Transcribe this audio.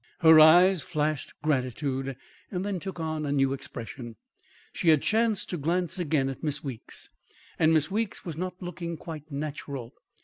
Her eyes flashed gratitude, then took on a new expression. She had chanced to glance again at Miss Weeks, and Miss Weeks was not looking quite natural.